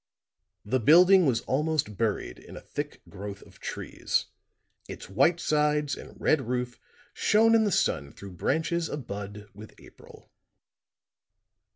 The building was almost buried in a thick growth of trees; its white sides and red roof shone in the sun through branches abud with April.